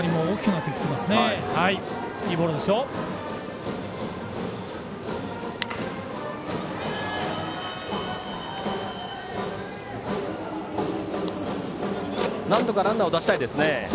なんとかランナー出したいですね。